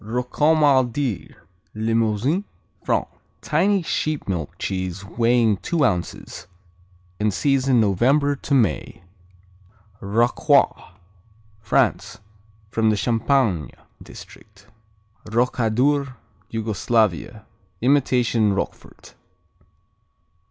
Rocamadur Limousin, France Tiny sheep milk cheese weighing two ounces. In season November to May. Rocroi France From the Champagne district. Rokadur Yugoslavia Imitation Roquefort.